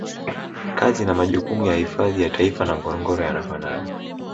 kazi na majukumu ya hifadhi ya Taifa na Ngorongoro yanafanana